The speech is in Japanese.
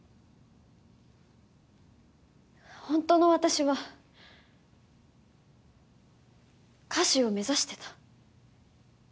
ほんとの私は歌手を目指してた。